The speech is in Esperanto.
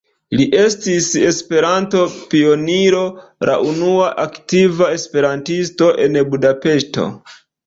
Li estis Esperanto-pioniro, la unua aktiva esperantisto en Budapeŝto.